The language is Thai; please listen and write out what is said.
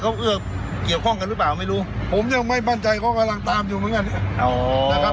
เขาเอื้อเกี่ยวข้องกันหรือเปล่าไม่รู้ผมยังไม่มั่นใจเขากำลังตามอยู่เหมือนกันนะครับ